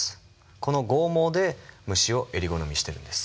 この剛毛で虫をえり好みしてるんです。